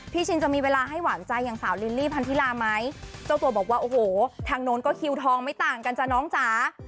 ชินจะมีเวลาให้หวานใจอย่างสาวลิลลี่พันธิลาไหมเจ้าตัวบอกว่าโอ้โหทางโน้นก็คิวทองไม่ต่างกันจ้ะน้องจ๋า